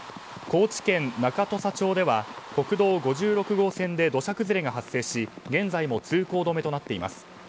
高知県中土佐町では国道５６号線で土砂崩れが発生し現在も通行止めとなっています。